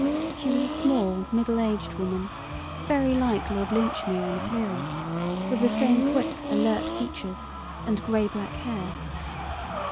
She was a small, middle aged woman, very like Lord Linchmere in appearance, with the same quick, alert features and grey black hair.